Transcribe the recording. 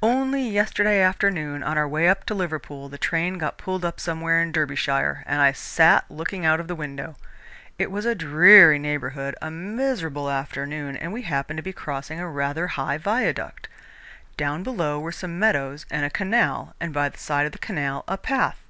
"Only yesterday afternoon, on our way up to Liverpool, the train got pulled up somewhere in Derbyshire, and I sat looking out of the window. It was a dreary neighbourhood, a miserable afternoon, and we happened to be crossing a rather high viaduct. Down below were some meadows and a canal, and by the side of the canal, a path.